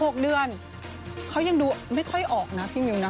เขายังดูไม่ค่อยออกนะพี่มิวนะ